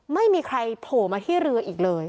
ไม่มีใครโผล่มาที่เรืออีกเลย